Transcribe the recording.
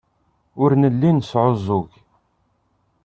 Ur nelli nesɛuẓẓug.